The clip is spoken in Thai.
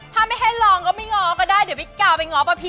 ถ้าไม่ให้ลองไม่ง้อก็ได้